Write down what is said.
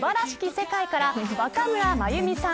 世界から若村麻由美さん